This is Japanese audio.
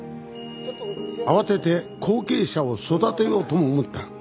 慌てて後継者を育てようとも思った。